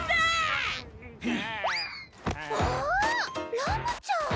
ラムちゃん！